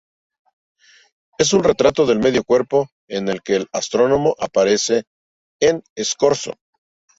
Es un retrato de medio cuerpo, en el que el astrónomo aparece en escorzo.